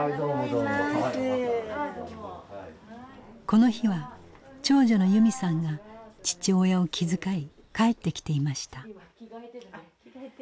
この日は長女の由美さんが父親を気遣い帰ってきていました。